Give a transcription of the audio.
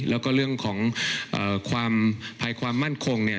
แล้วก็เรื่องของความภายความมั่นคงเนี่ย